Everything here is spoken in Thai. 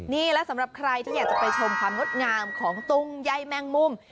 นี่และสำหรับใครที่อยากจะไปชมความงดงามของตุ้งใยแม่งมุม